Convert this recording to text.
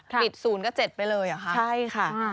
ปิด๐ก็๗ไปเลยเหรอคะใช่ค่ะ